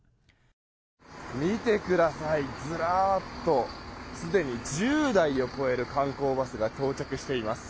見てください、ずらっとすでに１０台を超える観光バスが到着しています。